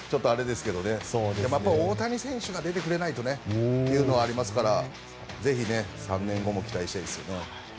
大谷選手が出てくれないとというのはありますからぜひ３年後も期待したいですね。